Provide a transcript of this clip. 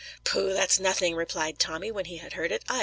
"Pooh, that's nothing!" replied Tommy, when he had heard about it.